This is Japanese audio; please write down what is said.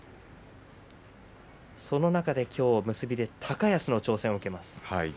その中で今日結びで高安の挑戦を受けます。